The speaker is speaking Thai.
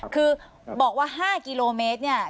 คือบอกว่า๕กิโลเมตรเนี่ย